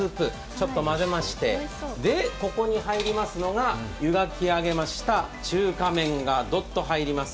ちょっとまぜまして、ここに入りますのが、ゆがきあげました中華麺がドッと入ります。